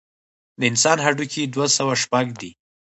د انسان هډوکي دوه سوه شپږ دي.